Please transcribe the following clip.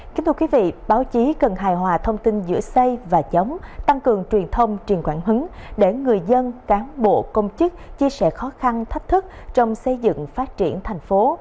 kính thưa quý vị báo chí cần hài hòa thông tin giữa xây và chống tăng cường truyền thông truyền quảng hứng để người dân cán bộ công chức chia sẻ khó khăn thách thức trong xây dựng phát triển thành phố